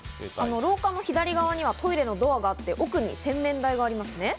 廊下の左側にはトイレのドアがあって奥に洗面台がありますね。